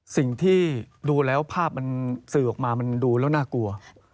สิ่งที่ดูแล้วภาพมันสื่อออกมามันดูแล้วน่ากลัว